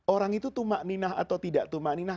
orang itu tumakninah atau tidak tumakninah